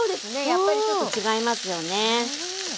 やっぱりちょっと違いますよね。